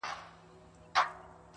o هر شى پر خپل ځاى ښه ايسي٫